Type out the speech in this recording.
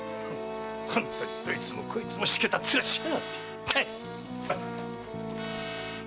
本当にどいつもこいつもシケたツラしやがって！